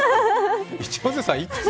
一ノ瀬さん、いくつ？